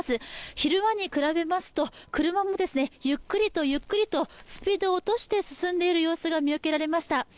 昼間に比べますと車もゆっくりと、ゆっくりとスピードを落として進んでいる様子が見受けられました。